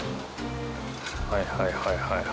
はいはいはいはい。